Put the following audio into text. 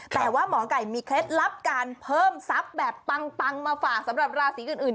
แต่ว่าหมอไก่มีเคล็ดลับการเพิ่มทรัพย์แบบปังมาฝากสำหรับราศีอื่น